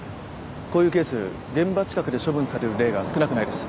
こういうケース現場近くで処分される例が少なくないです。